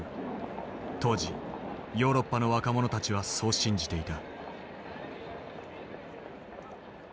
当時ヨーロッパの若者たちはそう信じていた。